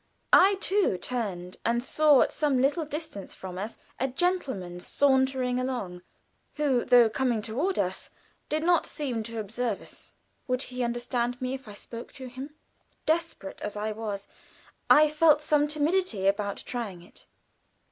I too turned, and saw at some little distance from us a gentleman sauntering along, who, though coming toward us, did not seem to observe us. Would he understand me if I spoke to him? Desperate as I was, I felt some timidity about trying it.